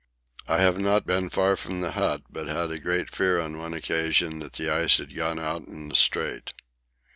I have not been far from the hut, but had a great fear on one occasion that the ice had gone out in the Strait.